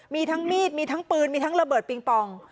มีทั้งมีดมีทั้งปืนมีทั้งระเบิดปิงปอง